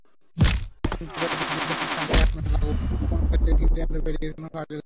অ্যান্টিবায়োটিক—যে ধরনের ঠান্ডাই আপনার লাগুক, কোনো ক্ষেত্রেই কিন্তু অ্যান্টিবায়োটিকের কোনো কার্যকর ভূমিকা নেই।